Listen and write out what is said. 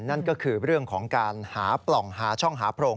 นั่นก็คือเรื่องของการหาปล่องหาช่องหาโพรง